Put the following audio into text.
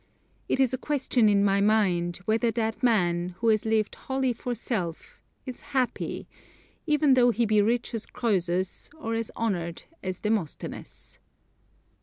It is a question in my mind, whether that man, who has lived wholly for self, is happy, even though he be rich as Croesus or as honored as Demosthenes.